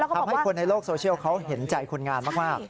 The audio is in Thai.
ทำให้คนในโลกโซเชียลเขาเห็นใจคนงานมาก